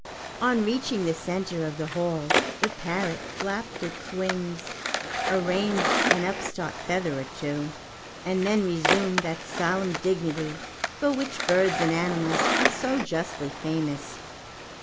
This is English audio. On reaching the centre of the hall, the parrot flapped its wings, arranged an upstart feather or two, and then resumed that solemn dignity for which birds and animals are so justly famous.